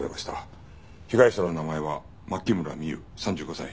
被害者の名前は牧村美優３５歳。